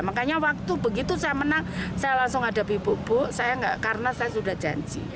makanya waktu begitu saya menang saya langsung menghadapi buku buku karena saya sudah janji